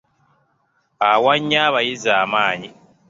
Awa nnyo abayizi amaanyi.